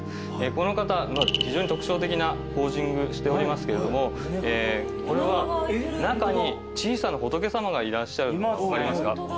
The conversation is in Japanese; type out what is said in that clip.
この方非常に特徴的なポージングしておりますけれどもこれは中に小さな仏様がいらっしゃるの分かりますか？